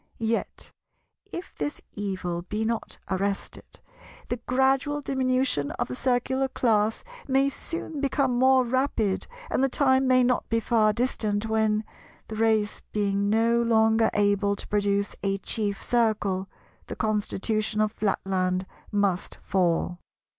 Yet, if this evil be not arrested, the gradual diminution of the Circular class may soon become more rapid, and the time may not be far distant when, the race being no longer able to produce a Chief Circle, the Constitution of Flatland must fall.